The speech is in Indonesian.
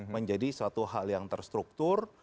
menjadi suatu hal yang terstruktur